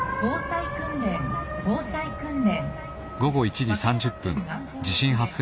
防災訓練防災訓練」。